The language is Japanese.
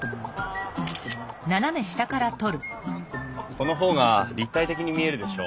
この方が立体的に見えるでしょう？